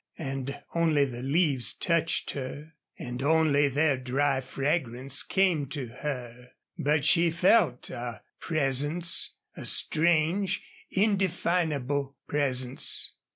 And only the leaves touched her and only their dry fragrance came to her. But she felt a presence a strange, indefinable presence.